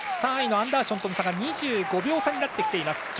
３位のアンダーションとの差が２５秒差になっています。